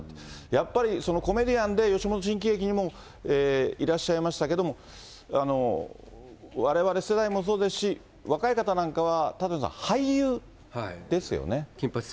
やっぱり、コメディアンで、吉本新喜劇にもいらっしゃったんですけど、われわれ世代もそうですし、若い方なんかは、舘野さん、俳優ですよね。